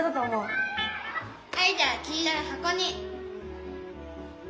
アイデアはきいろいはこに！